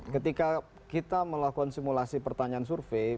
ketika kita melakukan simulasi pertanyaan survei